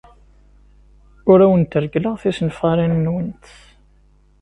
Ur awent-reggleɣ tisenfarin-nwent.